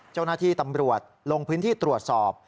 เจ้าหน้าที่ตำรวจลงพื้นที่ตรวจสอบ